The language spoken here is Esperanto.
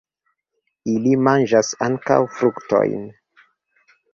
Ili manĝas ankaŭ fruktojn.